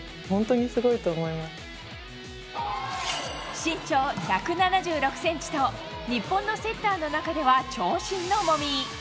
身長１７６ｃｍと日本のセッターの中では長身の籾井。